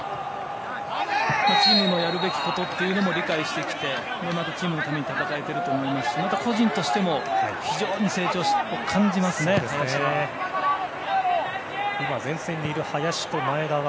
チームのやるべきことも理解してきて、チームのために戦えていると思いますしまた、個人としても非常に成長を感じますね、林は。